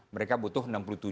mereka butuh enam puluh tujuh